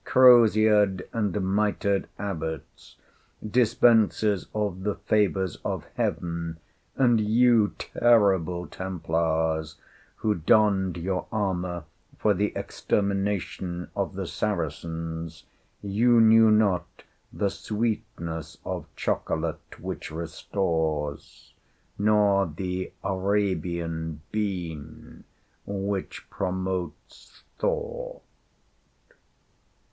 Crosiered and mitred abbots, dispensers of the favors of heaven; and you, terrible Templars, who donned your armor for the extermination of the Saracens, you knew not the sweetness of chocolate which restores, nor the Arabian bean which promotes thought.